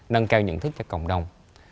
nâng cao nhận thức cho cộng đồng